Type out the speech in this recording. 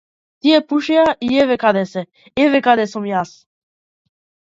Тие пушеа и еве каде се, еве каде сум јас.